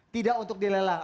tidak untuk dilelang